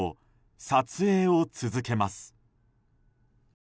撮影を続けます。